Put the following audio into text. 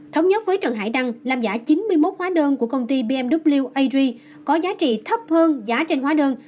thống nhất với trần hải đăng làm giả chín mươi một hóa đơn của công ty bmw ag có giá trị thấp hơn giá trên hóa đơn